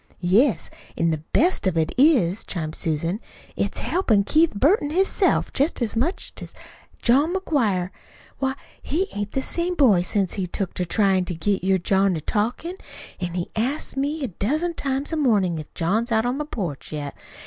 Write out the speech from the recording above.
"Yes, an' the best of it is," chimed in Susan, "it's helpin' Keith Burton hisself jest as much as 'tis John McGuire. Why, he ain't the same boy since he's took to tryin' to get your John to talkin'. An' he asks me a dozen times a mornin' if John's out on the porch yet.